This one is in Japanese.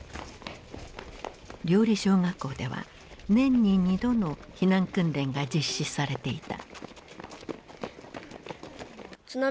綾里小学校では年に２度の避難訓練が実施されていた。